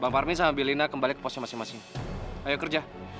bang farmi sama bilina kembali ke posnya masing masing ayo kerja